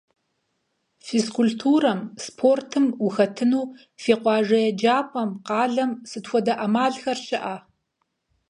Физкультурэм, спортым ухэтыну фи къуажэ еджапӀэм, къалэм сыт хуэдэ Ӏэмалхэр щыӀэ?